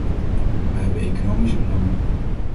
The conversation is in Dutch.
Wij hebben economische belangen.